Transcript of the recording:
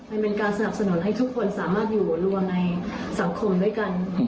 มันเป็นการสนับสนุนให้ทุกคนสามารถอยู่รวมในสังคมด้วยกัน